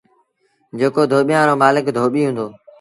جيڪو ڌوٻيآݩ رو مآلڪ ڌوٻيٚ هُݩدو۔